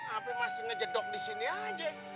apa masih ngejedok di sini aja